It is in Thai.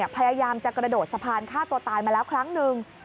พยายามจะกระโดดสะพานฆ่าตัวตายมาแล้วครั้งหนึ่ง